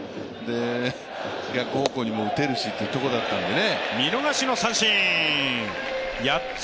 逆方向にも打てるしというところだったんでね。